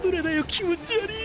気持ち悪ぃ。